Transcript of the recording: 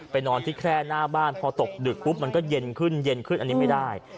นอนที่แคร่หน้าบ้านพอตกดึกปุ๊บมันก็เย็นขึ้นเย็นขึ้นอันนี้ไม่ได้